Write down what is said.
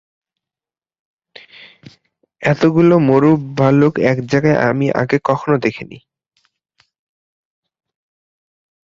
এতগুলো মরু ভালুক এক জায়গায় আগে আমি কখনো দেখিনি।